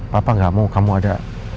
papa gak mau kamu ada